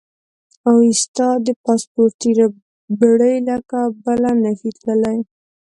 اوېستا د پاسپورتي ربړې له کبله نه شي تللی.